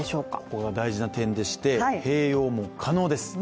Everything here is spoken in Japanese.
これは大事な点でして、併用も可能です。